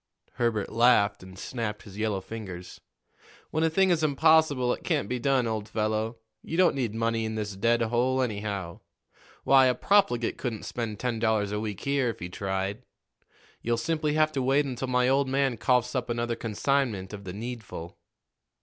Herbert laughed and snapped his yellow fingers. "When a thing is impossible, it can't be done, old fellow. You don't need money in this dead hole, anyhow. Why, a profligate couldn't spend ten dollars a week here, if he tried. You'll simply have to wait until my old man coughs up another consignment of the needful."